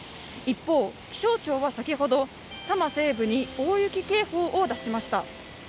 一方、気象庁は先ほど、多摩西部に大雪警報を出しました。